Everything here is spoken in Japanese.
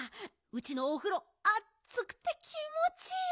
うちのおふろあつくて気もちいいよ。